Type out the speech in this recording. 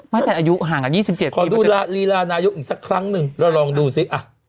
แต่อายุห่างกัน๒๗ขอดูลีลานายกอีกสักครั้งหนึ่งเราลองดูสิ